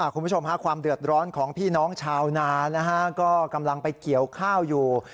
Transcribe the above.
คุณผู้ชมค่ะความเดือดร้อนของพี่น้องชาวนานะฮะก็กำลังไปเกี่ยวข้าวอยู่